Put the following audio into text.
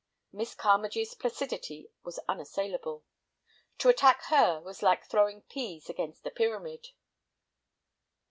Miss Carmagee's placidity was unassailable. To attack her was like throwing pease against a pyramid.